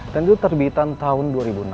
dan itu terbitan tahun dua ribu enam belas